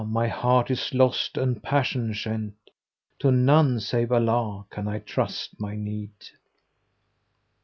my heart is lost and passion shent: * To none save Allah can I trust my need!"